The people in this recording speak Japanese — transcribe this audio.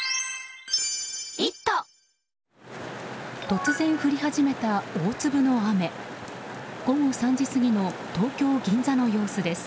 突然降り始めた大粒の雨午後３時過ぎの東京・銀座の様子です。